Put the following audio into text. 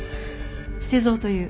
捨蔵という。